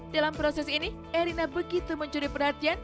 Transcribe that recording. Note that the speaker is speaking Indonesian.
dalam proses ini erina begitu mencuri perhatian